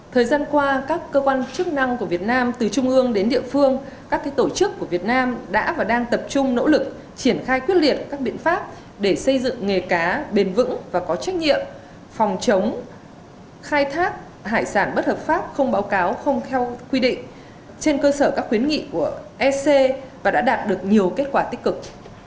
thời gian qua các cơ quan chức năng của việt nam từ trung ương đến địa phương các tổ chức của việt nam đã và đang tập trung nỗ lực triển khai quyết liệt các biện pháp để xây dựng nghề cá bền vững và có trách nhiệm phòng chống khai thác hải sản bất hợp pháp không báo cáo không theo quy định trên cơ sở các khuyến nghị của ec và đã đạt được nhiều kết quả tích cực